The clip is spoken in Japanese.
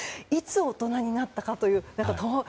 いつ大人になったかというと。